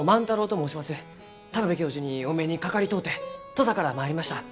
田邊教授にお目にかかりとうて土佐から参りました。